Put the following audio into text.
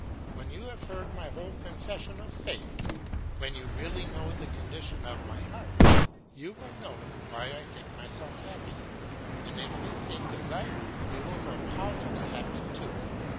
When you have heard my whole confession of faith, when you really know the condition of my heart, you will know why I think myself happy, and if you think as I do, you will know how to be happy too.